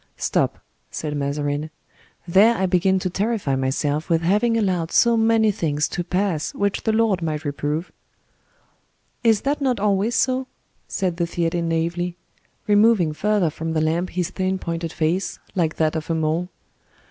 "Stop," said Mazarin; "there I begin to terrify myself with having allowed so many things to pass which the Lord might reprove." "Is that not always so?" said the Theatin naively, removing further from the lamp his thin pointed face, like that of a mole.